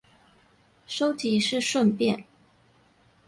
收集是順便